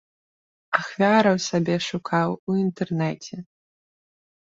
Ахвяраў сабе шукаў у інтэрнэце.